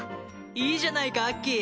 いいじゃないかアッキー！